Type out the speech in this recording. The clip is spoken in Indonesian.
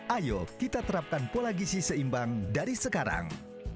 ayo kita terapkan pola gisi seimbang dari sekarang